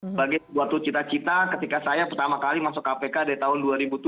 sebagai suatu cita cita ketika saya pertama kali masuk kpk dari tahun dua ribu tujuh belas